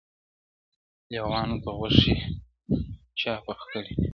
لېوانو ته غوښي چا پخ کړي دي -